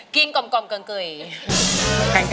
กิ๊นกทร